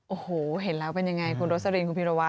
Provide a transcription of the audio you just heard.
โอ้โหเห็นแล้วเป็นยังไงคุณโรสลินคุณพิรวั